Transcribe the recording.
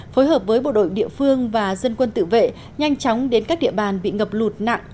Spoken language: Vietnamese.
phối hợp với bộ đội địa phương và dân quân tự vệ nhanh chóng đến các địa bàn bị ngập lụt nặng